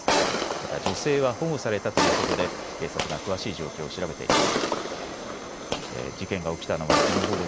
また女性は保護されたということで警察が詳しい状況を調べています。